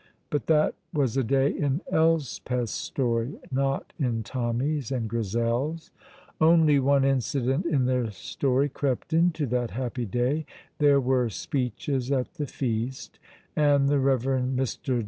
But that was a day in Elspeth's story, not in Tommy's and Grizel's. Only one incident in their story crept into that happy day. There were speeches at the feast, and the Rev. Mr.